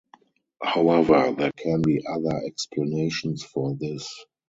However, there can be other explanations for this.